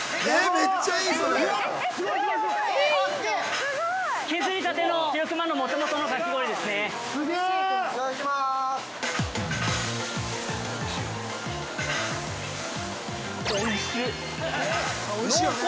◆めっちゃうまい！